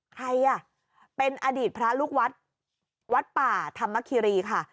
ใครอ่ะเป็นอดีตพระลูกวัดวัดป่าธรรมคิรีค่ะ